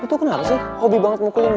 lo tuh kenapa sih hobi banget mukulin gue